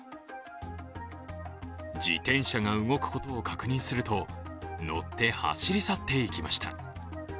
自転車が動くことを確認すると乗って走り去っていきました。